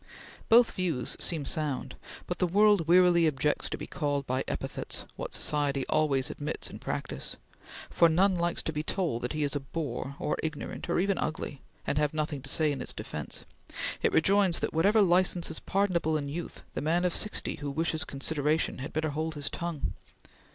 Both views seem sound; but the world wearily objects to be called by epithets what society always admits in practice; for no one likes to be told that he is a bore, or ignorant, or even ugly; and having nothing to say in its defence, it rejoins that, whatever license is pardonable in youth, the man of sixty who wishes consideration had better hold his tongue.